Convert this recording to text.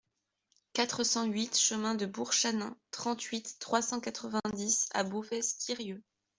quatre cent huit chemin de Bourchanin, trente-huit, trois cent quatre-vingt-dix à Bouvesse-Quirieu